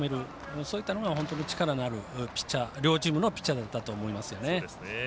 そういった力のある両チームのピッチャーだったと思います。